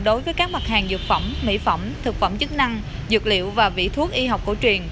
đối với các mặt hàng dược phẩm mỹ phẩm thực phẩm chức năng dược liệu và vị thuốc y học cổ truyền